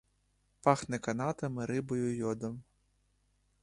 Пахне канатами, рибою, йодом.